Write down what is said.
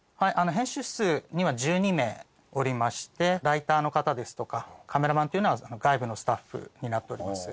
編集室には１２名おりましてライターの方ですとかカメラマンっていうのは外部のスタッフになっております。